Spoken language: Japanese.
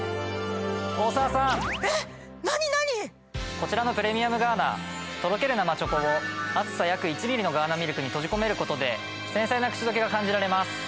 こちらのプレミアムガーナとろける生チョコを厚さ約１ミリのガーナミルクに閉じ込めることで繊細な口どけが感じられます。